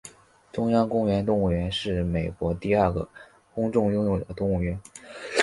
中央公园动物园是美国第二个公众拥有的动物园。